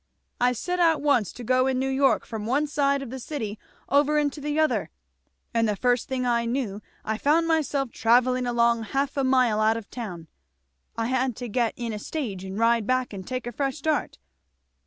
I set out once to go in New York from one side of the city over into the other, and the first thing I knew I found myself travelling along half a mile out of town. I had to get in a stage and ride back and take a fresh start.